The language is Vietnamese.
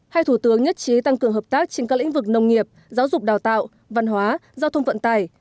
hai thủ tướng nhất trí tăng cường hợp tác trên các lĩnh vực nông nghiệp giáo dục đào tạo văn hóa giao thông vận tải